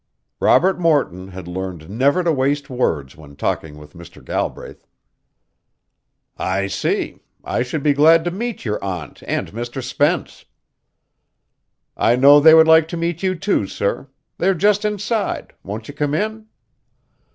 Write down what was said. Robert Morton had learned never to waste words when talking with Mr. Galbraith. "I see. I should be glad to meet your aunt and Mr. Spence." "I know they would like to meet you too, sir. They are just inside. Won't you come in?"